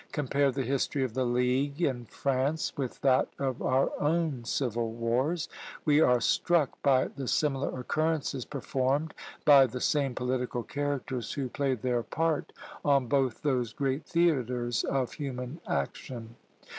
Compare the history of "The League" in France with that of our own civil wars. We are struck by the similar occurrences performed by the same political characters who played their part on both those great theatres of human action.